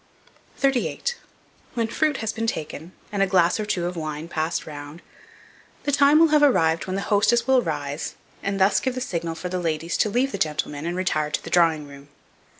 38. WHEN FRUIT HAS BEEN TAKEN, and a glass or two of wine passed round, the time will have arrived when the hostess will rise, and thus give the signal for the ladies to leave the gentlemen, and retire to the drawing room.